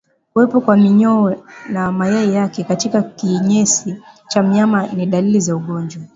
Kuwepo kwa minyoo na mayai yake katika kinyesi cha mnyama ni dalili za ugonjwa